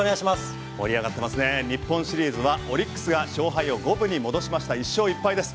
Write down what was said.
盛り上がってますね日本シリーズはオリックスが勝敗を５分に戻しました１勝１敗です。